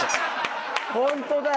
ホントだ。